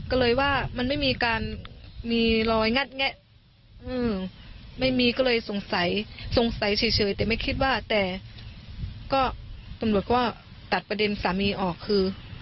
ก็เลยว่ามันไม่มีการมีรอยงัดแงะไม่มีก็เลยสงสัยสงสัยเฉยแต่ไม่คิดว่าแต่ก็ตำรวจก็ตัดประเด็นสามีออกคือ